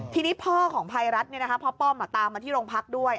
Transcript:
ทีนี้พ่อของภัยรัฐพ่อป้อมตามมาที่โรงพักด้วย